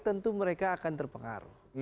tentu mereka akan terpengaruh